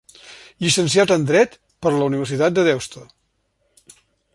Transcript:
Llicenciat en Dret per la Universitat de Deusto.